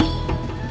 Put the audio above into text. kamu yang dikasih